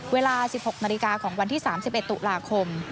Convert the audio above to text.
เวลา๑๖นาฬิกาของวันที่๓๑ตุลาคม